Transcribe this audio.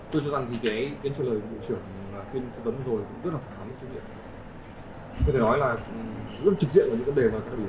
tôi cho rằng cái trả lời bộ trưởng khuyên chú vấn rồi cũng rất là khó khăn rất trực diện